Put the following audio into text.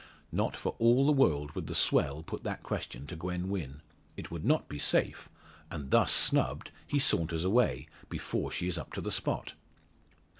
Not for all the world would the swell put that question to Gwen Wynn. It would not be safe; and thus snubbed he saunters away, before she is up to the spot.